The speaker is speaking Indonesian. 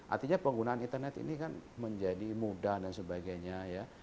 artinya penggunaan internet ini kan menjadi mudah dan sebagainya ya